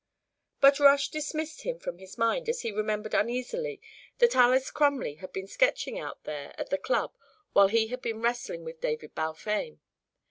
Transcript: But Rush dismissed him from his mind as he remembered uneasily that Alys Crumley had been sketching out there at the Club while he had been wrestling with David Balfame.